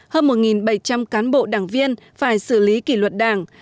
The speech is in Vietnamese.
hơn một bảy trăm linh cán bộ đảng viên phải xử lý kỷ luật đảng